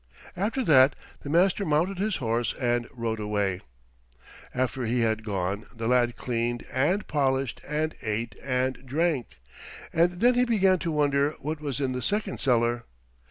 After that the master mounted his horse and rode away. After he had gone the lad cleaned and polished and ate and drank, and then he began to wonder what was in the second cellar.